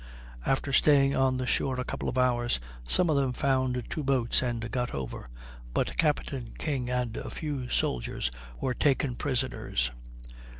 After staying on the shore a couple of hours some of them found two boats and got over; but Captain King and a few soldiers were taken prisoners.